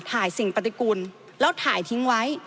สิ่งปฏิกูลแล้วถ่ายทิ้งไว้